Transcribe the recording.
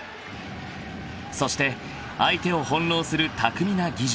［そして相手を翻弄する巧みな技術］